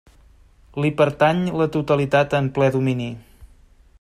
Li pertany la totalitat en ple domini.